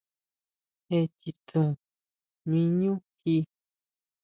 Jé chitsun ʼmí ʼñú jí.